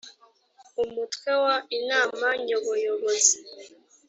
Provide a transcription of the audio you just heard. umutwe wa inama nyoboyobozi